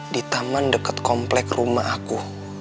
di taman dekat komplek rumah aku